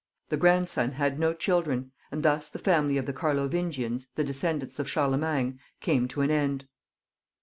The grandson had no children, and thus the family of the Car lovingians, the descendants of Charlemagne, came to an end.